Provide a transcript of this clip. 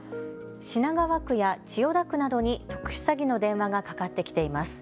品川区や千代田区などに特殊詐欺の電話がかかってきています。